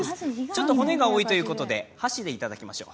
ちょっと骨が多いということで箸でいただきましょう。